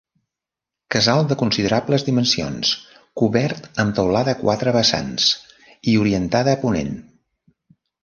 Casal de considerables dimensions cobert amb teulada a quatre vessants i orientada a ponent.